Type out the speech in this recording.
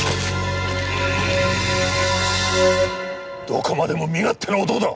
どこまでも身勝手な男だ！